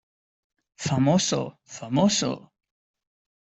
¡ famoso, famoso!...